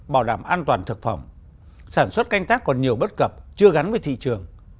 bảo đảm an toàn thực phẩm sản xuất canh tác còn nhiều bất cập chưa gắn với thị trường